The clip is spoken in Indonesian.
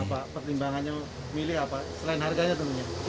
apa pertimbangannya milih apa selain harganya tentunya